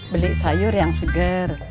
beli sayur yang seger